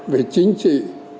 về chính trị